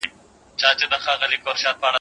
مېږی لا هم په خپل کور کي مست وي.